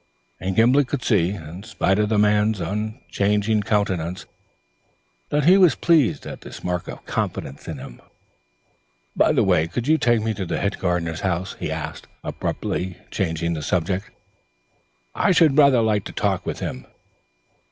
And Gimblet could see, in spite of the man's unchanging countenance, that he was pleased at this mark of confidence in him. "Could you take me to the head gardener's house?" he asked, abruptly changing the subject. "I should rather like a talk with him."